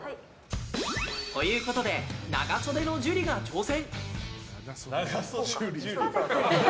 ということで長袖のジュリが挑戦。